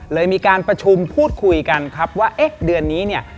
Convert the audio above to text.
มีการประชุมพูดคุยกันครับว่าเอ๊ะเดือนนี้เนี่ย